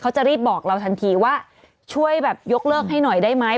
จะรีบบอกเราทันทีว่าช่วยแบบยกเลิกให้หน่อยได้ไหม